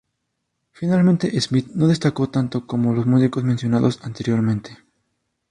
Finalmente, Smith no destacó tanto como los músicos mencionados anteriormente.